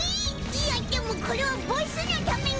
いやでもこれはボスのために。